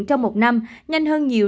trong một năm nhanh hơn nhiều